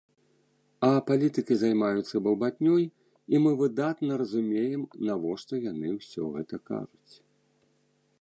А палітыкі займаюцца балбатнёй, і мы выдатна разумеем, навошта яны ўсё гэта кажуць.